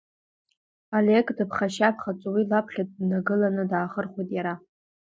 Олег дыԥхашьа-ԥхаҵо уи лаԥхьа днагыланы даахырхәеит иара.